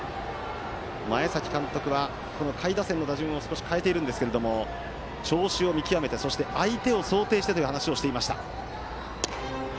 前崎監督はこの下位打線の打順を少し変えているんですが調子を見極めて、そして相手を想定してという話をしていました。